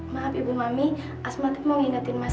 maaf ibu mami asma mau ngingatin mas kevin untuk minum obat